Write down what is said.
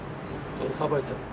さばいちゃって。